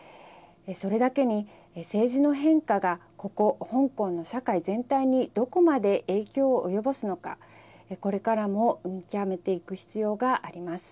それだけに政治の変化がここ、香港の社会全体にどこまで影響を及ぼすのかこれからも見極めていく必要があります。